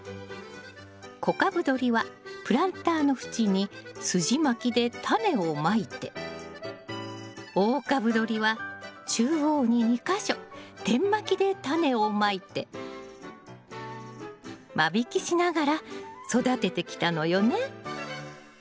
小株どりはプランターの縁にすじまきでタネをまいて大株どりは中央に２か所点まきでタネをまいて間引きしながら育ててきたのよね。